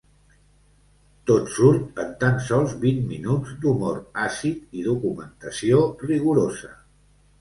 Tot surt en tan sols vint minuts d’humor àcid i documentació rigorosa.